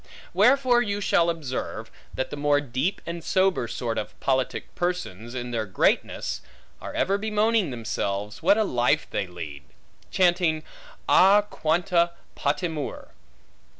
Wherefore you shall observe, that the more deep and sober sort of politic persons, in their greatness, are ever bemoaning themselves, what a life they lead; chanting a quanta patimur!